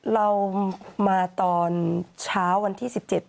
เรามาตอนเช้าวันที่๑๗